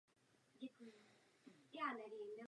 Původní profesí byl právník.